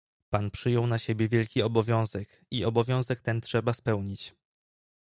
"Pan przyjął na siebie wielki obowiązek i obowiązek ten trzeba spełnić."